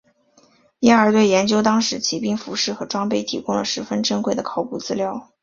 因而对研究当时骑兵服饰和装备提供了十分珍贵的考古资料。